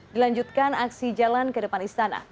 dilanjutkan aksi jalan ke depan istana